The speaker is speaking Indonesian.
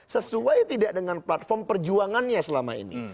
sesuai tidak dengan platform perjuangannya selama ini